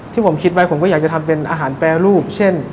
ที่ผมคิดไว้ผมก็อยากจะทำเป็นอาหารแปรรูปเช่น